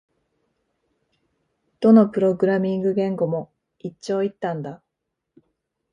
どのプログラミング言語も一長一短だ